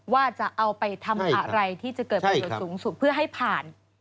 ว่าจะเอาไปทำอะไรที่จะเกิดประโยชน์สูงสุดเพื่อให้ผ่าน